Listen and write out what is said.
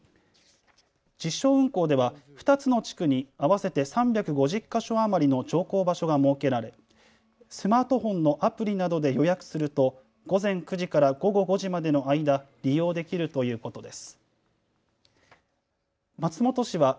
実証運行では２つの地区に合わせて３５０か所余りの乗降場所が設けられスマートフォンのアプリなどで予約すると午前９時から午後５時までの間利用できるということです。